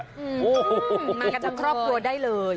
มันก็จะเคราะห์โควดได้เลย